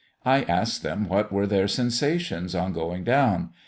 I asked them what were their sensations on going down?